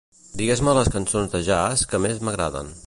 Digues-me les cançons de jazz que més m'agraden.